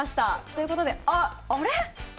ということであれ？